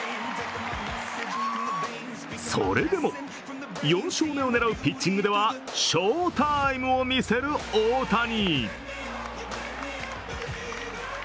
それでも、４勝目を狙うピッチングでは翔タイムを見せる大谷。